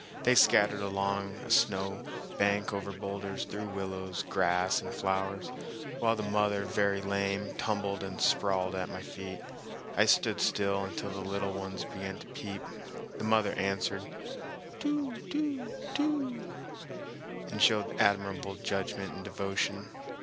They scattered along a snow bank, over boulders, through willows, grass, and flowers, while the mother, very lame, tumbled and sprawled at my feet. I stood still until the little ones began to peep; the mother answered "Too too too" and showed admirable judgment and devotion.